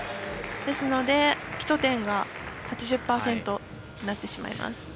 ですので、基礎点が８０％になってしまいます。